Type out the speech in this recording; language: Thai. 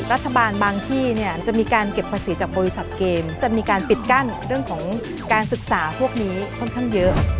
บางที่เนี่ยจะมีการเก็บภาษีจากบริษัทเกมจะมีการปิดกั้นเรื่องของการศึกษาพวกนี้ค่อนข้างเยอะ